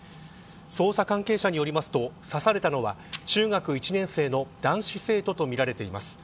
捜査関係者によりますと刺されたのは中学１年生の男子生徒とみられています。